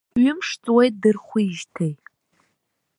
Ҩымш ҵуеит дырхәижьҭеи.